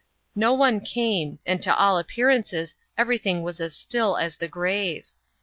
No one came, and to all appearances every thing was as still as the grave.